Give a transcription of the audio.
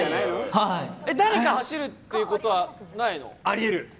誰か走るってことはないの？